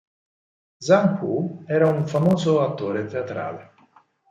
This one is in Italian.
Zhang Wu era un famoso attore teatrale.